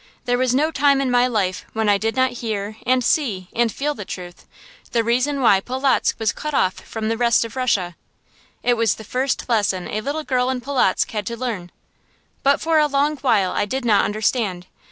There was no time in my life when I did not hear and see and feel the truth the reason why Polotzk was cut off from the rest of Russia. It was the first lesson a little girl in Polotzk had to learn. But for a long while I did not understand.